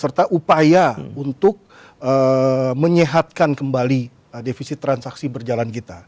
serta upaya untuk menyehatkan kembali defisit transaksi berjalan kita